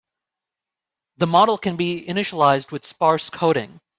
The model can be initialized with sparse coding.